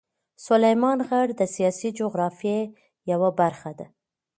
سلیمان غر د سیاسي جغرافیه یوه برخه ده.